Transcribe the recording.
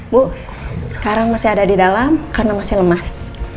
bu sekarang masih ada di dalam karena masih lemas